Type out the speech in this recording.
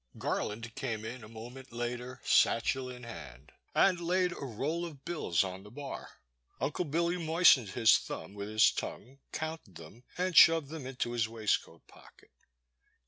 Garland came in a moment later, satchel in hand, and laid a roll of bills on the bar. Uncle Billy moistened his thumb with his tongue, counted them, and shoved them into his waistcoat pocket.